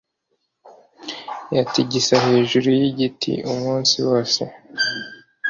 yatigisa hejuru yigiti umunsi wose